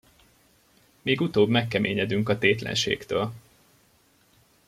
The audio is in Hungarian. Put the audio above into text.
Még utóbb megkeményedünk a tétlenségtől.